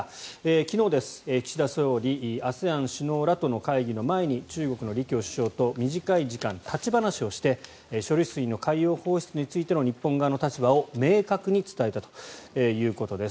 昨日です、岸田総理ＡＳＥＡＮ首脳らとの会議の前に中国の李強首相と短い時間、立ち話をして処理水の海洋放出についての日本側の立場を明確に伝えたということです。